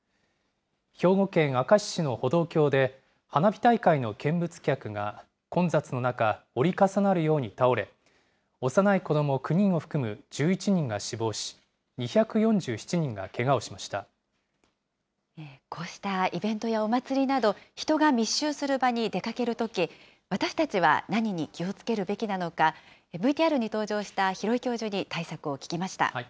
兵庫県明石市の歩道橋で、花火大会の見物客が混雑の中、折り重なるように倒れ、幼い子ども９人を含む１１人が死亡し、こうしたイベントやお祭りなど、人が密集する場に出かけるとき、私たちは何に気をつけるべきなのか、ＶＴＲに登場した廣井教授に対策を聞きました。